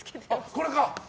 これか！